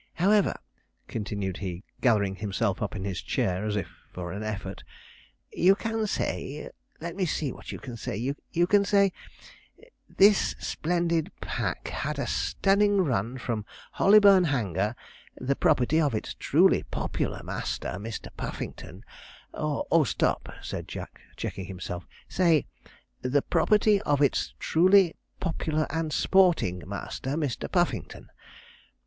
However,' continued he, gathering himself up in his chair as if for an effort, 'you can say let me see what you can say you can say, "this splendid pack had a stunning run from Hollyburn Hanger, the property of its truly popular master, Mr. Puffington," or stop,' said Jack, checking himself, 'say, "the property of its truly popular and sporting master, Mr. Puffington."